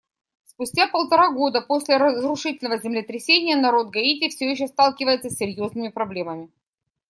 Спустя полтора года после разрушительного землетрясения народ Гаити все еще сталкивается с серьезными проблемами.